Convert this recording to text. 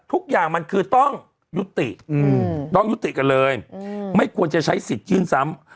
ทุกอย่างมันคือต้องยุติต้องยุติกันเลยไม่ควรจะใช้สิทธิ์ยื่นซ้ำ